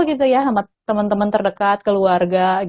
sama teman teman terdekat keluarga